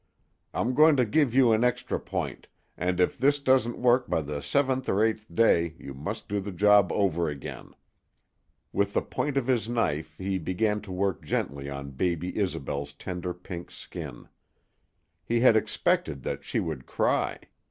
"I'm going to give you an extra point, and if this doesn't work by the seventh or eighth day you must do the job over again." With the point of his knife he began to work gently on baby Isobel's tender pink skin. He had expected that she would cry.